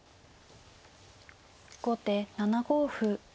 後手７五歩。